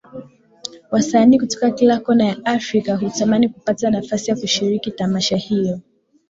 Wasanii kutoka kila Kona ya africa hutamani kupata nafasi ya kushiriki Tamasha hio